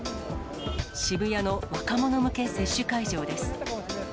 渋谷の若者向け接種会場です。